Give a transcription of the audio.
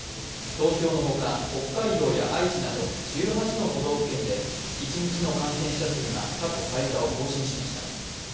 東京のほか、北海道や愛知など１８の都道府県で一日の感染者数が過去最多を更新しました。